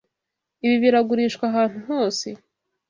Ibi biragurishwa ahantu hose.